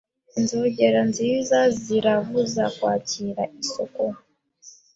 Inzogera nziza ziravuza Kwakira isoko